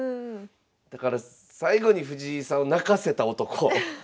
だから最後に藤井さんを泣かせた男。